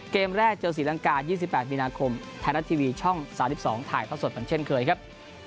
เกมแรกเจอศรีลังกา๒๘มีนาคมไทยรัฐทีวีช่อง๓๒ถ่ายท่อสดเหมือนเช่นเคยครับ